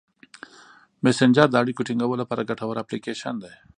مسېنجر د اړیکو ټینګولو لپاره ګټور اپلیکیشن دی.